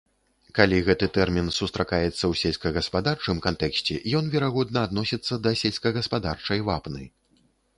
Калі гэты тэрмін сустракаецца ў сельскагаспадарчым кантэксце, ён, верагодна, адносіцца да сельскагаспадарчай вапны.